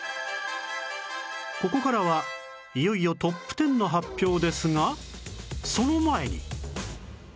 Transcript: ここからはいよいよトップ１０の発表ですがその前に